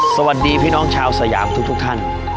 สวัสดีพี่น้องชาวสยามทุกท่าน